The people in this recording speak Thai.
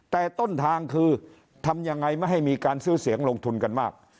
แต่ต้นทางคือทำยังไงไม่ให้มีการซื้อเสียงลงทุนกันมาก